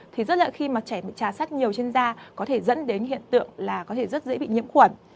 thì rất là khi mà trẻ bị trà sắt nhiều trên da có thể dẫn đến hiện tượng là có thể rất dễ bị nhiễm khuẩn